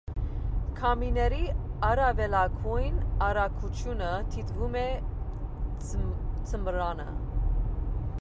Քամիների առավելագույն արագությունը դիտվում է ձմռանը։